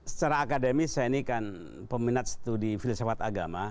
secara akademis saya ini kan peminat studi filsafat agama